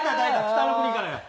『北の国から』や。